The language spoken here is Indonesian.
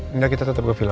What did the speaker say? enggak kita tetap ke vila